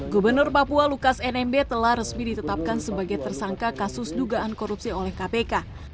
gubernur papua lukas nmb telah resmi ditetapkan sebagai tersangka kasus dugaan korupsi oleh kpk